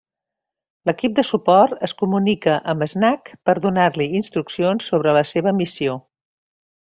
L'equip de suport es comunica amb Snake per donar-li instruccions sobre la seva missió.